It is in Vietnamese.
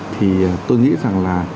thì tôi nghĩ rằng là